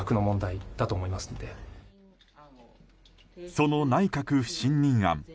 その内閣不信任案。